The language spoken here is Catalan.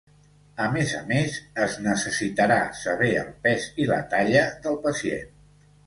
A més a més, es necessitarà saber el pes i la talla del pacient.